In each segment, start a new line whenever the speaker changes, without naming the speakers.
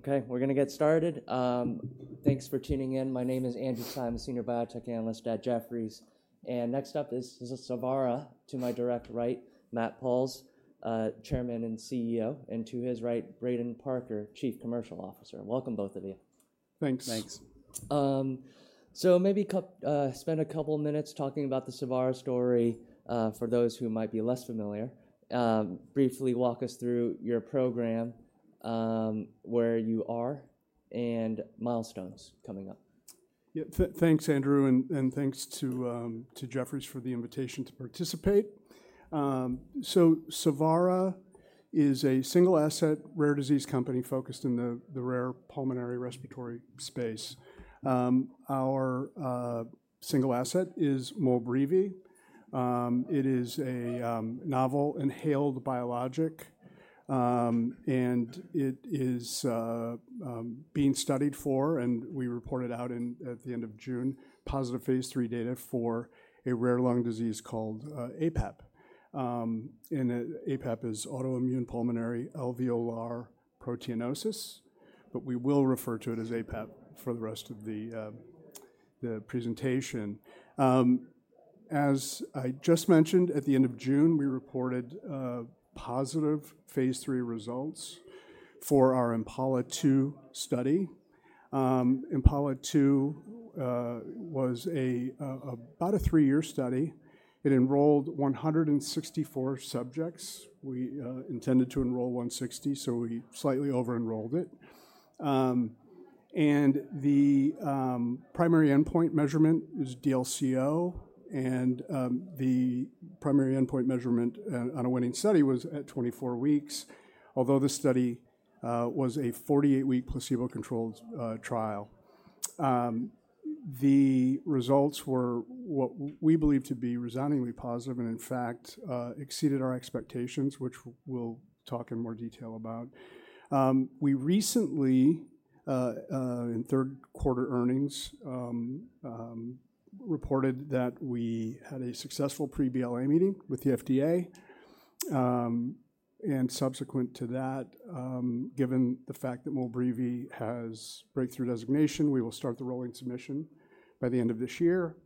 Okay, we're going to get started. Thanks for tuning in. My name is Andrew Tsai, Senior Biotech Analyst at Jefferies, and next up is Savara to my direct right, Matt Pauls, Chairman and CEO, and to his right, Braden Parker, Chief Commercial Officer. Welcome, both of you.
Thanks.
Thanks.
So maybe spend a couple of minutes talking about the Savara story for those who might be less familiar. Briefly walk us through your program, where you are, and milestones coming up.
Yeah, thanks, Andrew, and thanks to Jefferies for the invitation to participate. So Savara is a single-asset rare disease company focused in the rare pulmonary respiratory space. Our single asset is MOLBREEVI. It is a novel inhaled biologic, and it is being studied for, and we reported out at the end of June, positive phase III data for a rare lung disease called aPAP. And aPAP is autoimmune pulmonary alveolar proteinosis, but we will refer to it as aPAP for the rest of the presentation. As I just mentioned, at the end of June, we reported positive phase III results for our IMPALA-2 study. IMPALA-2 was about a three-year study. It enrolled 164 subjects. We intended to enroll 160, so we slightly over-enrolled it. The primary endpoint measurement is DLCO, and the primary endpoint measurement in the IMPALA-2 study was at 24 weeks, although the study was a 48-week placebo-controlled trial. The results were what we believe to be resoundingly positive and, in fact, exceeded our expectations, which we'll talk in more detail about. We recently, in third quarter earnings, reported that we had a successful pre-BLA meeting with the FDA. Subsequent to that, given the fact that MOLBREEVI has breakthrough designation, we will start the rolling submission by the end of this year.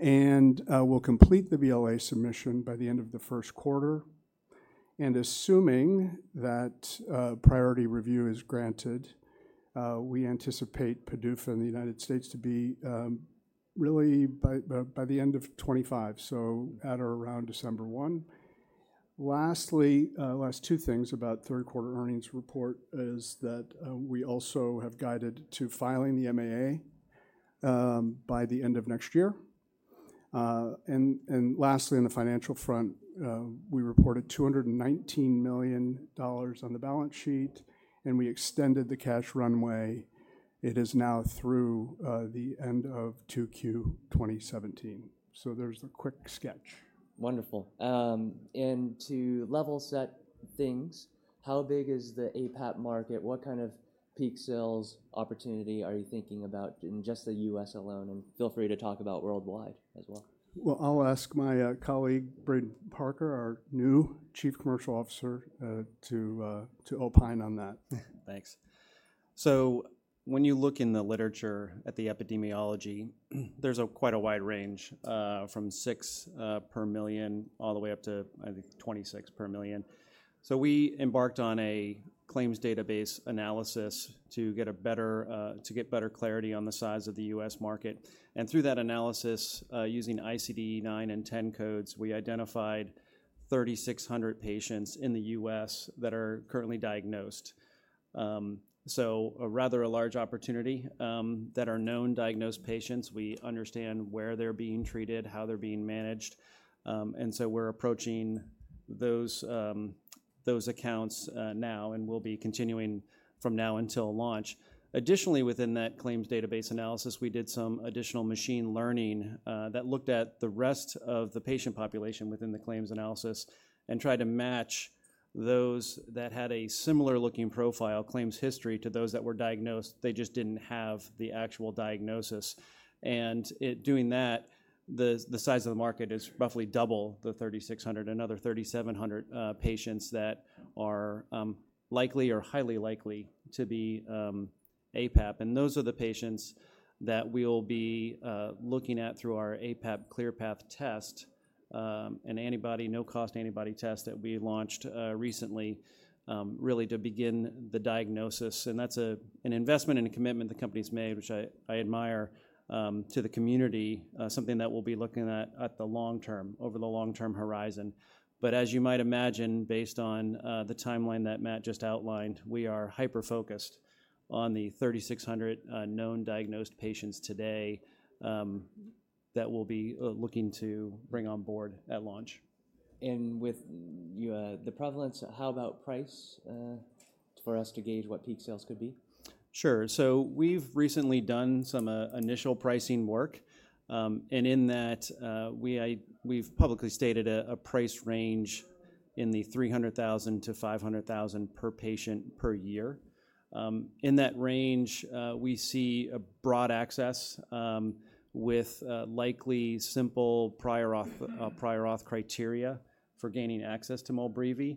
We'll complete the BLA submission by the end of the first quarter. Assuming that priority review is granted, we anticipate PDUFA in the United States to be really by the end of 2025, so at or around December 1. Lastly, last two things about third quarter earnings report is that we also have guided to filing the MAA by the end of next year. And lastly, on the financial front, we reported $219 million on the balance sheet, and we extended the cash runway. It is now through the end of 2Q 2027. So there's a quick sketch.
Wonderful. And to level set things, how big is the aPAP market? What kind of peak sales opportunity are you thinking about in just the U.S. alone? And feel free to talk about worldwide as well.
I'll ask my colleague Braden Parker, our new Chief Commercial Officer, to opine on that.
Thanks. When you look in the literature at the epidemiology, there's quite a wide range from six per million all the way up to, I think, 26 per million. So we embarked on a claims database analysis to get better clarity on the size of the U.S. market. And through that analysis, using ICD-9 and ICD-10 codes, we identified 3,600 patients in the U.S. that are currently diagnosed. So rather a large opportunity that are known diagnosed patients. We understand where they're being treated, how they're being managed. And so we're approaching those accounts now and will be continuing from now until launch. Additionally, within that claims database analysis, we did some additional machine learning that looked at the rest of the patient population within the claims analysis and tried to match those that had a similar looking profile claims history to those that were diagnosed. They just didn't have the actual diagnosis. And doing that, the size of the market is roughly double the 3,600, another 3,700 patients that are likely or highly likely to be aPAP. And those are the patients that we'll be looking at through our aPAP ClearPath test, a no-cost antibody test that we launched recently, really to begin the diagnosis. And that's an investment and a commitment the company's made, which we've made to the community, something that we'll be looking at the long term, over the long term horizon. But as you might imagine, based on the timeline that Matt just outlined, we are hyper-focused on the 3,600 known diagnosed patients today that we'll be looking to bring on board at launch.
And with the prevalence, how about price for us to gauge what peak sales could be?
Sure. So we've recently done some initial pricing work. And in that, we've publicly stated a price range in the $300,000-$500,000 per patient per year. In that range, we see a broad access with likely simple prior auth criteria for gaining access to MOLBREEVI.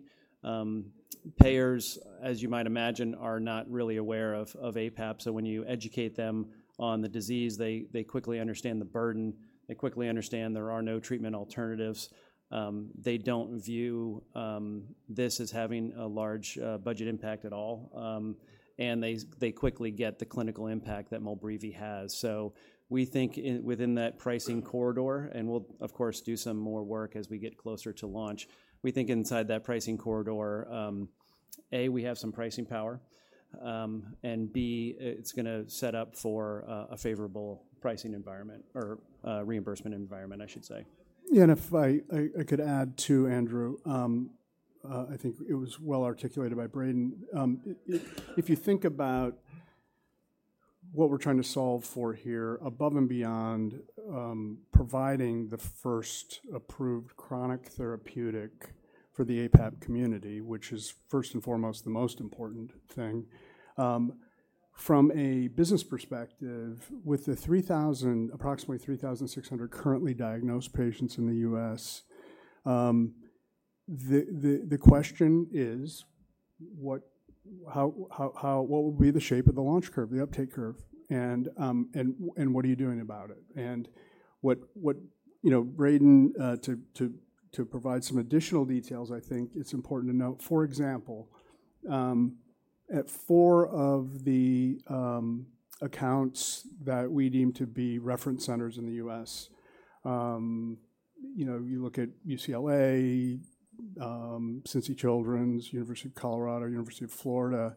Payers, as you might imagine, are not really aware of aPAP. So when you educate them on the disease, they quickly understand the burden. They quickly understand there are no treatment alternatives. They don't view this as having a large budget impact at all. And they quickly get the clinical impact that MOLBREEVI has. We think within that pricing corridor, and we'll, of course, do some more work as we get closer to launch. We think inside that pricing corridor, A, we have some pricing power, and B, it's going to set up for a favorable pricing environment or reimbursement environment, I should say.
Yeah, and if I could add to, Andrew. I think it was well articulated by Braden. If you think about what we're trying to solve for here, above and beyond providing the first approved chronic therapeutic for the aPAP community, which is first and foremost the most important thing. From a business perspective, with the approximately 3,600 currently diagnosed patients in the U.S., the question is, what will be the shape of the launch curve, the uptake curve, and what are you doing about it? And Braden to provide some additional details, I think it's important to note, for example, at four of the accounts that we deem to be reference centers in the U.S., you look at UCLA, Cincinnati Children's, University of Colorado, University of Florida,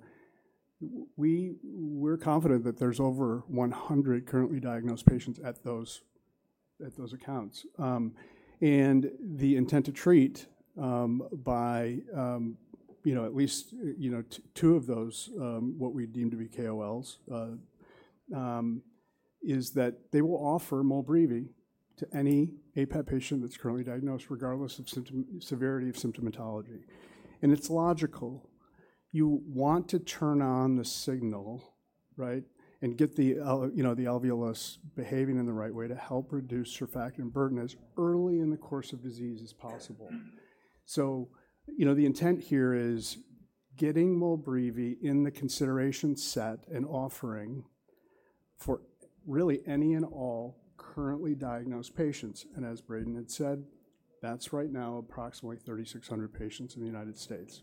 we're confident that there's over 100 currently diagnosed patients at those accounts. And the intent to treat by at least two of those, what we deem to be KOLs, is that they will offer MOLBREEVI to any aPAP patient that's currently diagnosed, regardless of severity of symptomatology. And it's logical. You want to turn on the signal, right, and get the alveolus behaving in the right way to help reduce surfactant burden as early in the course of disease as possible. So the intent here is getting MOLBREEVI in the consideration set and offering for really any and all currently diagnosed patients. And as Braden had said, that's right now approximately 3,600 patients in the United States.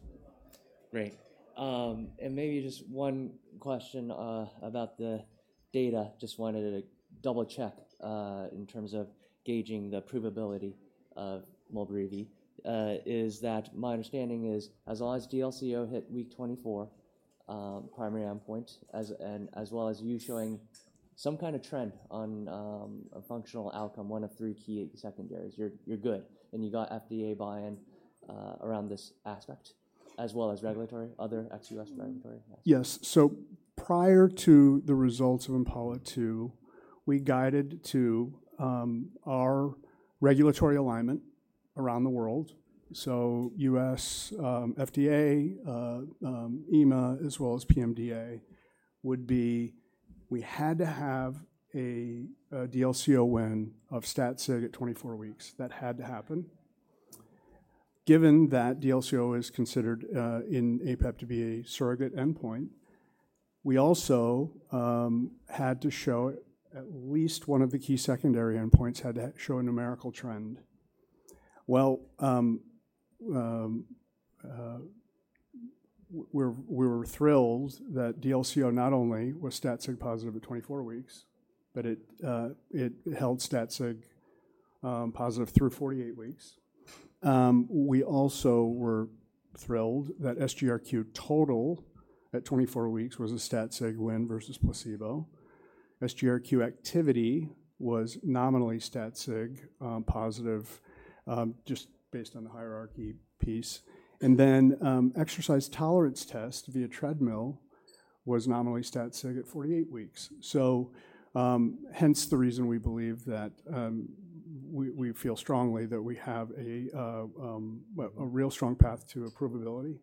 Great. And maybe just one question about the data. Just wanted to double check in terms of gauging the approvability of MOLBREEVI is that my understanding is as long as DLCO hit week 24, primary endpoint, as well as you showing some kind of trend on a functional outcome, one of three key secondaries, you're good. And you got FDA buy-in around this aspect, as well as regulatory, other ex-U.S. regulatory.
Yes. Prior to the results of IMPALA-2, we guided to our regulatory alignment around the world. U.S., FDA, EMA, as well as PMDA would be we had to have a DLCO win of stat-sig at 24 weeks. That had to happen. Given that DLCO is considered in aPAP to be a surrogate endpoint, we also had to show at least one of the key secondary endpoints had to show a numerical trend. We were thrilled that DLCO not only was stat-sig positive at 24 weeks, but it held stat-sig positive through 48 weeks. We also were thrilled that SGRQ total at 24 weeks was a stat-sig win versus placebo. SGRQ activity was nominally stat-sig positive, just based on the hierarchy piece. Then exercise tolerance test via treadmill was nominally stat-sig at 48 weeks. So hence the reason we believe that we feel strongly that we have a real strong path to approvability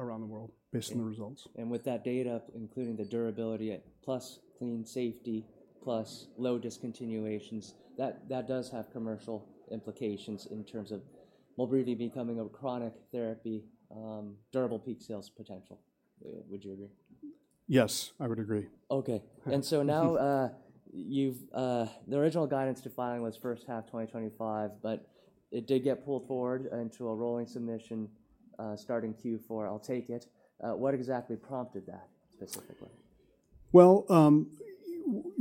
around the world based on the results.
And with that data, including the durability plus clean safety plus low discontinuations, that does have commercial implications in terms of MOLBREEVI becoming a chronic therapy, durable peak sales potential. Would you agree?
Yes, I would agree.
Okay. And so now the original guidance to filing was first half 2025, but it did get pulled forward into a rolling submission starting Q4. I'll take it. What exactly prompted that specifically?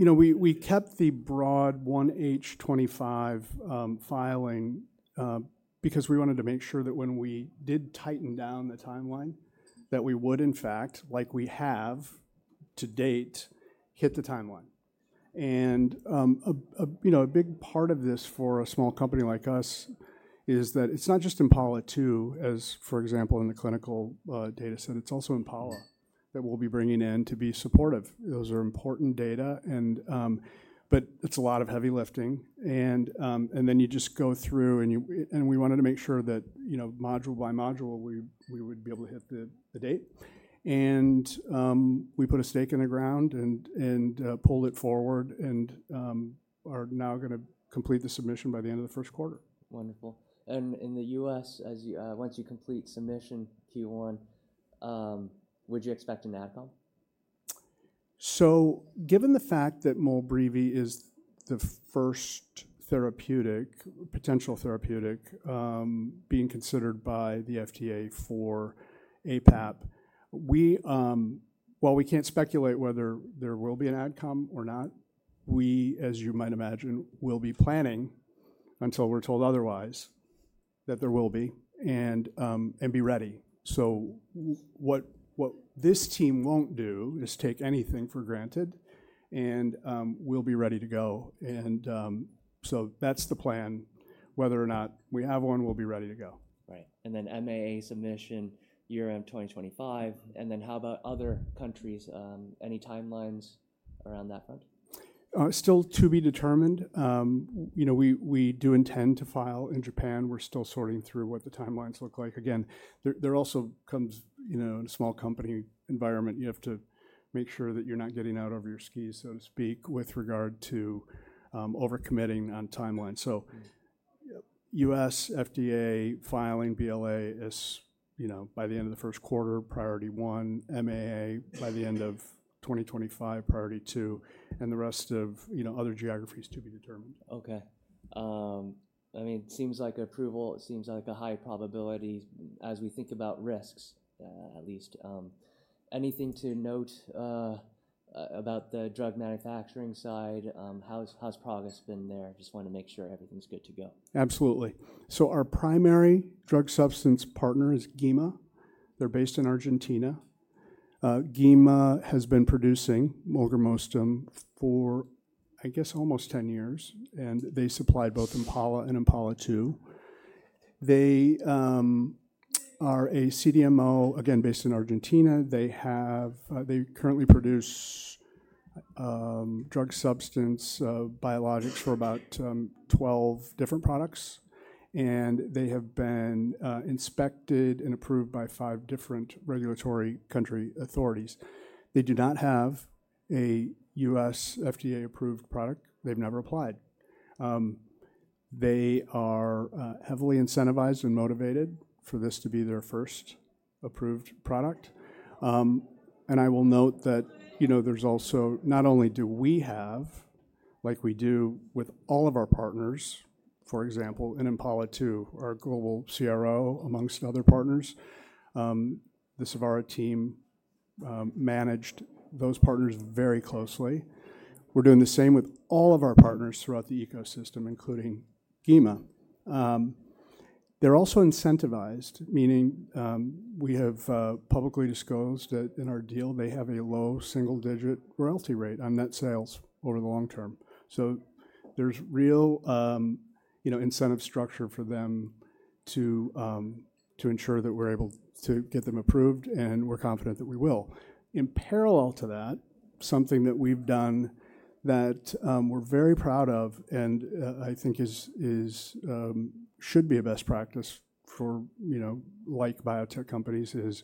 We kept the broad 1H 2025 filing because we wanted to make sure that when we did tighten down the timeline, that we would, in fact, like we have to date, hit the timeline. And a big part of this for a small company like us is that it's not just IMPALA-2, as for example, in the clinical data set, it's also IMPALA that we'll be bringing in to be supportive. Those are important data. But it's a lot of heavy lifting. And then you just go through and we wanted to make sure that module by module, we would be able to hit the date. And we put a stake in the ground and pulled it forward and are now going to complete the submission by the end of the first quarter.
Wonderful. And in the U.S., once you complete submission Q1, would you expect an outcome?
So, given the fact that MOLBREEVI is the first therapeutic, potential therapeutic being considered by the FDA for aPAP, while we can't speculate whether there will be an outcome or not, we, as you might imagine, will be planning until we're told otherwise that there will be and be ready. So what this team won't do is take anything for granted, and we'll be ready to go. And so that's the plan. Whether or not we have one, we'll be ready to go.
Right. And then MAA submission year end 2025. And then how about other countries? Any timelines around that front?
Still to be determined. We do intend to file in Japan. We're still sorting through what the timelines look like. Again, there also comes in a small company environment, you have to make sure that you're not getting out over your skis, so to speak, with regard to overcommitting on timeline. So U.S., FDA, filing BLA is by the end of the first quarter, priority one. MAA by the end of 2025, priority two. And the rest of other geographies to be determined.
Okay. I mean, it seems like approval, it seems like a high probability as we think about risks, at least. Anything to note about the drug manufacturing side? How's progress been there? Just want to make sure everything's good to go.
Absolutely. So our primary drug substance partner is GEMA. They're based in Argentina. GEMA has been producing molgramostim for, I guess, almost 10 years. And they supplied both IMPALA and IMPALA-2. They are a CDMO, again, based in Argentina. They currently produce drug substance biologics for about 12 different products. And they have been inspected and approved by five different regulatory country authorities. They do not have a U.S. FDA approved product. They've never applied. They are heavily incentivized and motivated for this to be their first approved product. And I will note that there's also not only do we have, like we do with all of our partners, for example, in IMPALA-2, our global CRO among other partners, the Savara team managed those partners very closely. We're doing the same with all of our partners throughout the ecosystem, including GEMA. They're also incentivized, meaning we have publicly disclosed that in our deal, they have a low single digit royalty rate on net sales over the long term. So there's real incentive structure for them to ensure that we're able to get them approved. And we're confident that we will. In parallel to that, something that we've done that we're very proud of and I think should be a best practice for like biotech companies is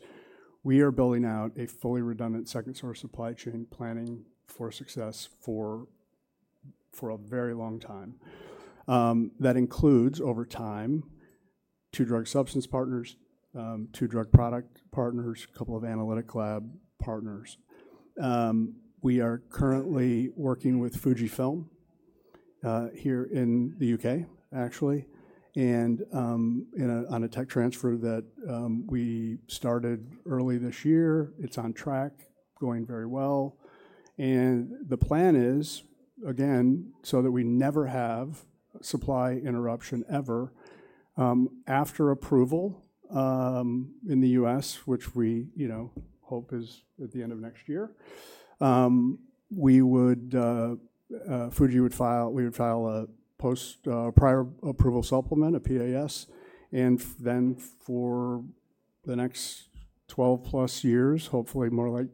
we are building out a fully redundant second source supply chain planning for success for a very long time. That includes over time two drug substance partners, two drug product partners, a couple of analytical lab partners. We are currently working with Fujifilm here in the U.K., actually, and on a tech transfer that we started early this year. It's on track, going very well. The plan is, again, so that we never have supply interruption ever, after approval in the U.S., which we hope is at the end of next year. Fuji would file. We would file a prior approval supplement, a PAS. Then for the next 12 plus years, hopefully more like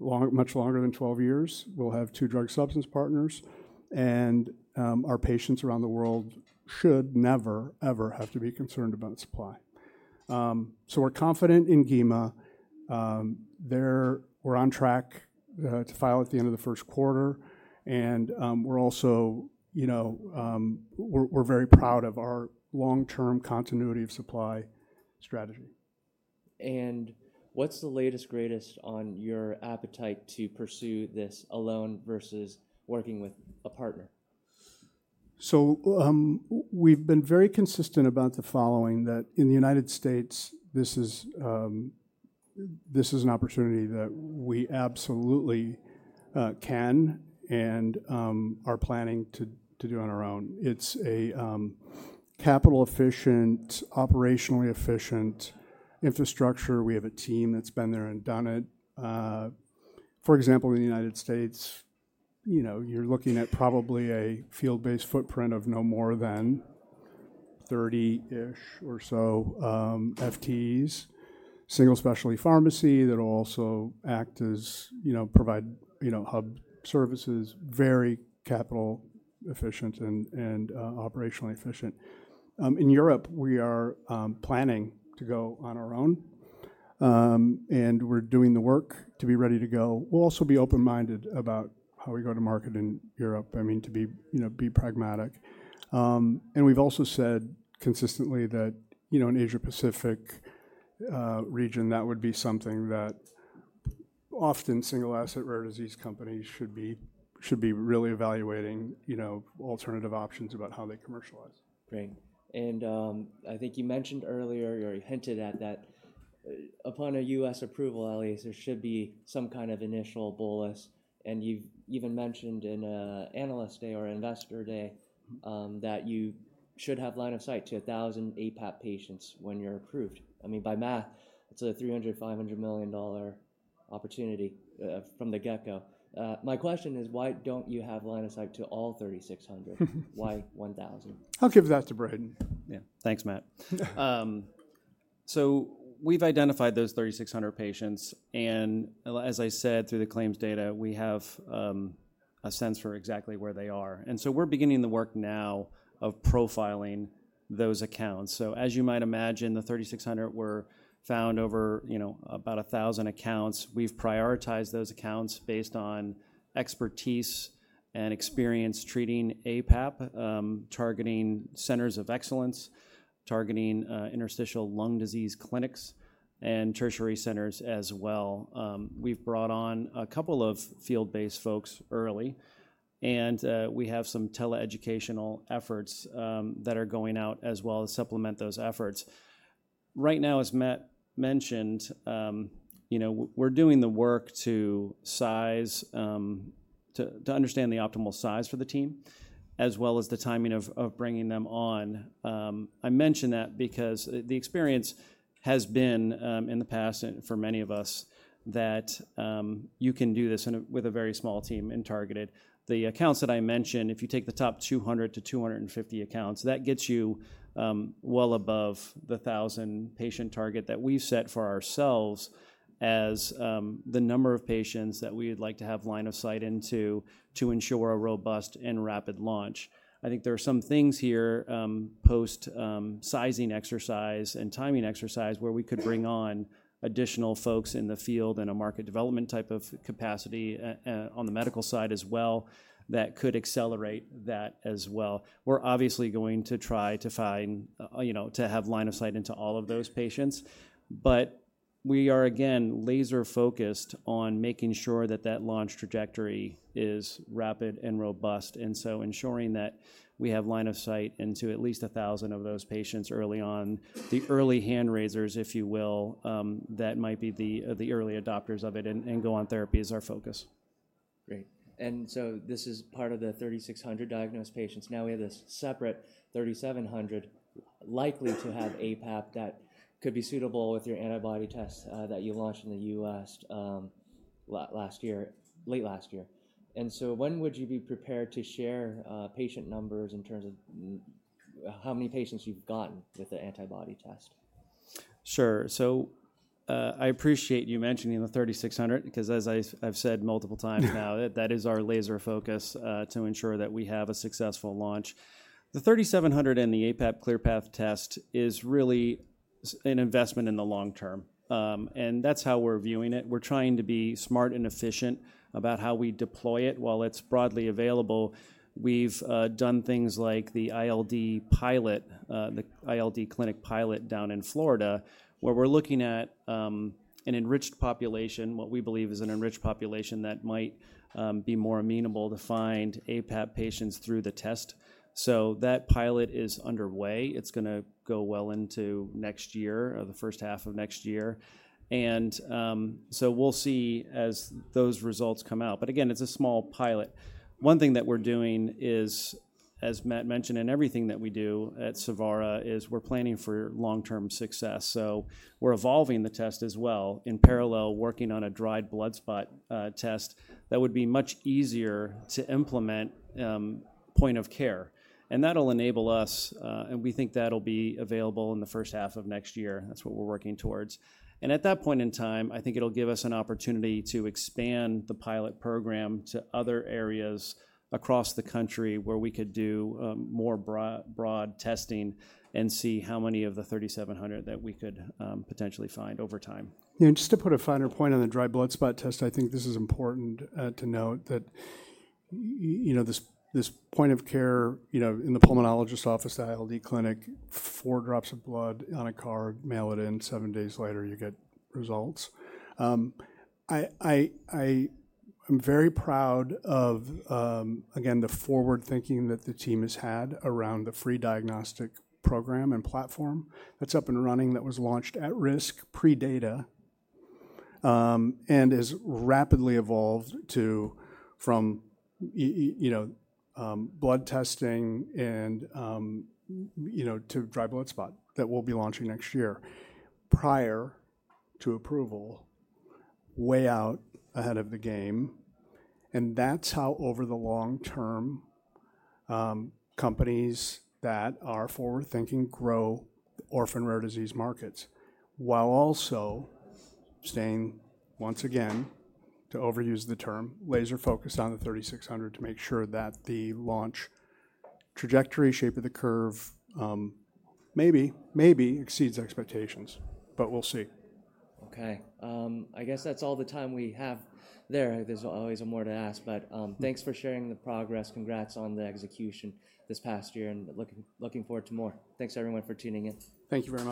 much longer than 12 years, we'll have two drug substance partners. Our patients around the world should never, ever have to be concerned about supply. We're confident in GEMA. We're on track to file at the end of the first quarter. We're very proud of our long-term continuity of supply strategy.
What's the latest, greatest on your appetite to pursue this alone versus working with a partner?
We've been very consistent about the following that in the United States, this is an opportunity that we absolutely can and are planning to do on our own. It's a capital efficient, operationally efficient infrastructure. We have a team that's been there and done it. For example, in the United States, you're looking at probably a field-based footprint of no more than 30-ish or so FTEs, single specialty pharmacy that will also act as provider hub services, very capital efficient and operationally efficient. In Europe, we are planning to go on our own. We're doing the work to be ready to go. We'll also be open-minded about how we go to market in Europe, I mean, to be pragmatic. We've also said consistently that in the Asia-Pacific region, that would be something that often single asset rare disease companies should be really evaluating alternative options about how they commercialize.
Great. And I think you mentioned earlier, or you hinted at that, upon a U.S. approval, at least, there should be some kind of initial bolus. And you've even mentioned in Analyst Day or Investor Day that you should have line of sight to 1,000 aPAP patients when you're approved. I mean, by math, it's a $300 million-$500 million opportunity from the get-go. My question is, why don't you have line of sight to all 3,600? Why 1,000?
I'll give that to Braden.
Yeah. Thanks, Matt. So we've identified those 3,600 patients. And as I said, through the claims data, we have a sense for exactly where they are. And so we're beginning the work now of profiling those accounts. So as you might imagine, the 3,600 were found over about 1,000 accounts. We've prioritized those accounts based on expertise and experience treating aPAP, targeting centers of excellence, targeting interstitial lung disease clinics, and tertiary centers as well. We've brought on a couple of field-based folks early. And we have some tele-educational efforts that are going out as well as supplement those efforts. Right now, as Matt mentioned, we're doing the work to understand the optimal size for the team, as well as the timing of bringing them on. I mention that because the experience has been in the past for many of us that you can do this with a very small team and targeted. The accounts that I mentioned, if you take the top 200-250 accounts, that gets you well above the 1,000 patient target that we've set for ourselves as the number of patients that we would like to have line of sight into to ensure a robust and rapid launch. I think there are some things here post-sizing exercise and timing exercise where we could bring on additional folks in the field and a market development type of capacity on the medical side as well that could accelerate that as well. We're obviously going to try to have line of sight into all of those patients. But we are, again, laser-focused on making sure that that launch trajectory is rapid and robust. And so ensuring that we have line of sight into at least 1,000 of those patients early on, the early hand raisers, if you will, that might be the early adopters of it and go on therapy is our focus.
Great. And so this is part of the 3,600 diagnosed patients. Now we have this separate 3,700 likely to have aPAP that could be suitable with your antibody test that you launched in the U.S. late last year. And so when would you be prepared to share patient numbers in terms of how many patients you've gotten with the antibody test?
Sure, so I appreciate you mentioning the 3,600 because, as I've said multiple times now, that is our laser focus to ensure that we have a successful launch. The 3,700 and the aPAP ClearPath test is really an investment in the long term, and that's how we're viewing it. We're trying to be smart and efficient about how we deploy it while it's broadly available. We've done things like the ILD pilot, the ILD clinic pilot down in Florida, where we're looking at an enriched population, what we believe is an enriched population that might be more amenable to find aPAP patients through the test, so that pilot is underway. It's going to go well into next year or the first half of next year, and so we'll see as those results come out, but again, it's a small pilot. One thing that we're doing is, as Matt mentioned in everything that we do at Savara, is we're planning for long-term success. So we're evolving the test as well in parallel, working on a dried blood spot test that would be much easier to implement point of care. And that'll enable us, and we think that'll be available in the first half of next year. That's what we're working towards. And at that point in time, I think it'll give us an opportunity to expand the pilot program to other areas across the country where we could do more broad testing and see how many of the 3,700 that we could potentially find over time.
Yeah. Just to put a finer point on the dried blood spot test, I think this is important to note that this point of care in the pulmonologist's office, the ILD clinic, four drops of blood on a card, mail it in, seven days later, you get results. I'm very proud of, again, the forward thinking that the team has had around the free diagnostic program and platform that's up and running that was launched at risk pre-data and has rapidly evolved from blood testing to dried blood spot that we'll be launching next year prior to approval, way out ahead of the game. That's how over the long term, companies that are forward thinking grow orphan rare disease markets while also staying, once again, to overuse the term, laser-focused on the 3,600 to make sure that the launch trajectory, shape of the curve maybe exceeds expectations, but we'll see.
Okay. I guess that's all the time we have there. There's always more to ask. But thanks for sharing the progress. Congrats on the execution this past year and looking forward to more. Thanks, everyone, for tuning in.
Thank you very much.